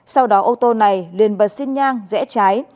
sau đó ô tô này liền bật xin nhang rẽ trái